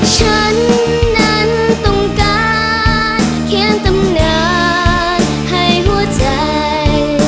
ฉันนั้นต้องการเขียนตำนานให้หัวใจ